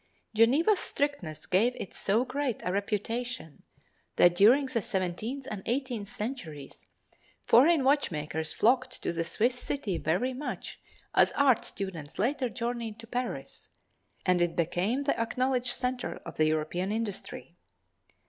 Geneva's strictness gave it so great a reputation that during the seventeenth and eighteenth centuries foreign watchmakers flocked to the Swiss city very much as art students later journeyed to Paris, and it became the acknowledged center of the European industry.